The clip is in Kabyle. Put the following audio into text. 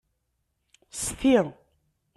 Sti!